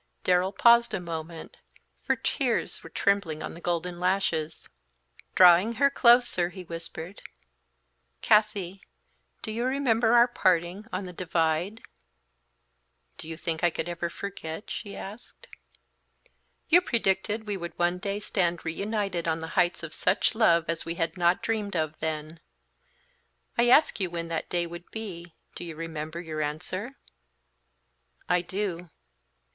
Darrell paused a moment, for tears were trembling on the golden lashes. Drawing her closer, he whispered, "Kathie, do you remember our parting on the 'Divide'?" "Do you think I ever could forget?" she asked. "You predicted we would one day stand reunited on the heights of such love as we had not dreamed of then. I asked you when that day would be; do you remember your answer?" "I do."